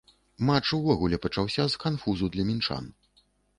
Матч увогуле пачаўся з канфузу для мінчан.